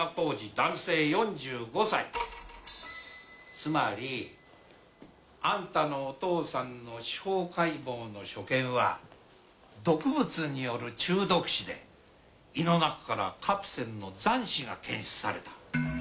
つまりアンタのお父さんの司法解剖の所見は毒物による中毒死で胃の中からカプセルの残滓が検出された。